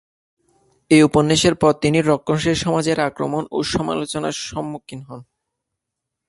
এই উপন্যাসের পর তিনি রক্ষণশীল সমাজের আক্রমণ ও সমালোচনার সম্মুখীন হন।